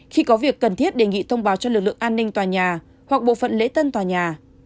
khi có việc cần thiết đề nghị thông báo cho lực lượng an ninh tòa nhà hoặc bộ phận lễ tân tòa nhà